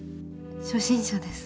初心者です。